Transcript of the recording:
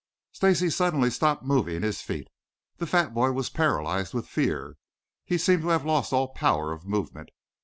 Stacy suddenly stopped moving his feet. The fat boy was paralyzed with fear. He seemed to have lost all power of movement.